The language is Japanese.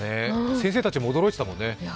先生たちも驚いてたね。